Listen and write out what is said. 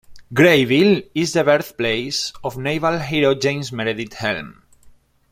Grayville is the birthplace of naval hero James Meredith Helm.